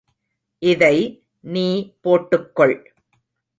இதை நீ போட்டுக்கொள்.